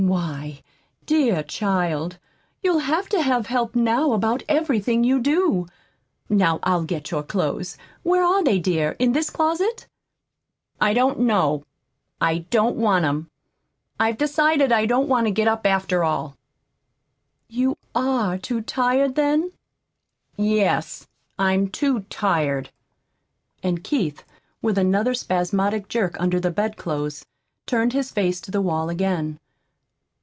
Why, dear child, you'll have to have help now about everything you do. Now I'll get your clothes. Where are they, dear? In this closet?" "I don't know. I don't want 'em. I I've decided I don't want to get up, after all." "You ARE too tired, then?" "Yes, I'm too tired." And Keith, with another spasmodic jerk under the bedclothes, turned his face to the wall again.